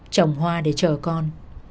trồng hoa để chờ con